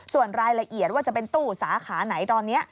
ส่วนรายละเอียดว่าจะเป็นตู้สาขาไหนตอนนี้